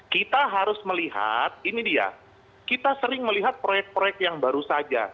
kita harus melihat ini dia kita sering melihat proyek proyek yang baru saja